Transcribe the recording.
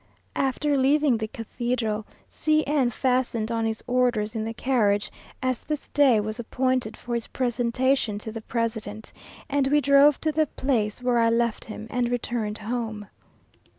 After leaving the cathedral, C n fastened on his orders in the carriage, as this day was appointed for his presentation to the President, and we drove to the place, where I left him, and returned home.